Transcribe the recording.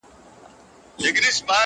هلته مي هم نوي جامې په تن کي نه درلودې -